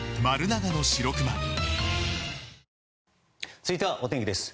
続いてはお天気です。